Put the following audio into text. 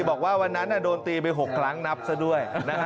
บอกว่าวันนั้นโดนตีไป๖ครั้งนับซะด้วย